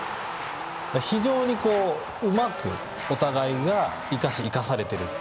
非常にうまくお互いが生かし、生かされている。